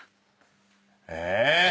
え？